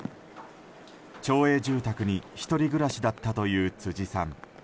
町営住宅に１人暮らしだったという辻さん。